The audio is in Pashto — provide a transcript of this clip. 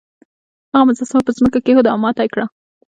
هغه مجسمه په ځمکه کیښوده او ماته یې کړه.